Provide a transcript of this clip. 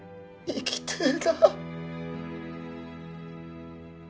生きたい！